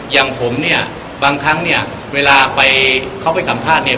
อย่างผมเนี่ยบางครั้งเนี่ยเวลาไปเขาไปสัมภาษณ์เนี่ย